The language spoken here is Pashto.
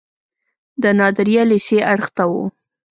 د نادریه لیسې اړخ ته و.